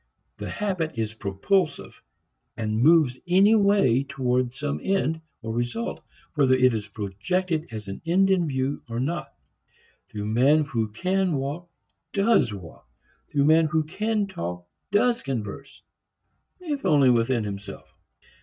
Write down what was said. The habit is propulsive and moves anyway toward some end, or result, whether it is projected as an end in view or not. The man who can walk does walk; the man who can talk does converse if only with himself.